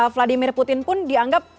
vladimir putin pun dianggap